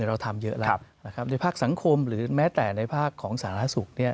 เราทำเยอะแล้วในภาคสังคมหรือแม้แต่ในภาคของสาธารณสุข